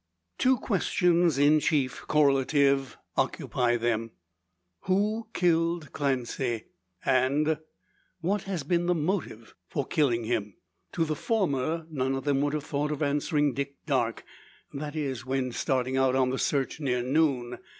Two questions in chief, correlative, occupy them: "Who killed Clancy?" and "What has been the motive for killing him?" To the former, none of them would have thought of answering "Dick Darke," that is when starting out on the search near noon.